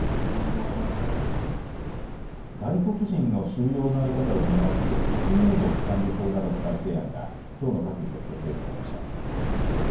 外国人の収容の在り方を見直す出入国管理法などの改正案がきょうの閣議で決定されました。